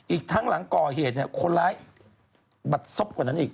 อีกทั้งหลังก่อเหตุคนร้ายบัดซบกว่านั้นอีก